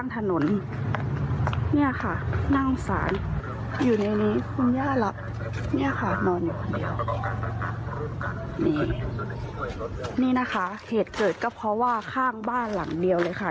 นี่นะคะเหตุเกิดก็เพราะว่าข้างบ้านหลังเดียวเลยค่ะ